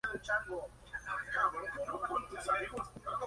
Su nombre significa: "La casa en el desierto".